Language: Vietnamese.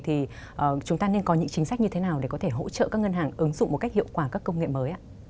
thì chúng ta nên có những chính sách như thế nào để có thể hỗ trợ các ngân hàng ứng dụng một cách hiệu quả các công nghệ mới